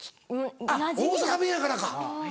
大阪弁やからか。